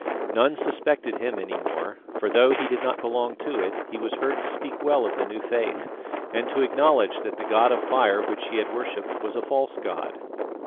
None suspected him any more, for though he did not belong to it, he was heard to speak well of the new faith, and to acknowledge that the god of fire which he had worshipped was a false god.